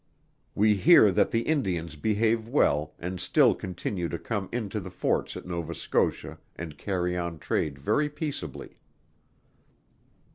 We hear that the Indians behave well, and still continue to come into the forts at Nova Scotia, and carry on trade very peaceably."